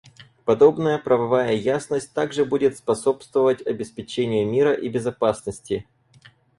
Подобная правовая ясность также будет способствовать обеспечению мира и безопасности.